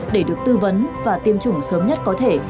để được tư vấn và tiêm chủng sớm nhất có thể